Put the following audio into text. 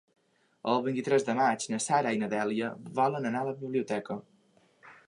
El vint-i-tres de maig na Sara i na Dèlia volen anar a la biblioteca.